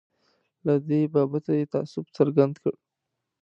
له دې بابته یې تأسف څرګند کړ.